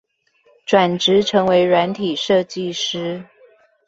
轉職成為軟體設計師